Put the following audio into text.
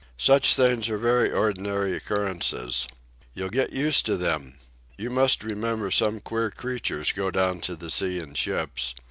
Such things are very ordinary occurrences. You'll get used to them. You must remember some queer creatures go down to the sea in ships.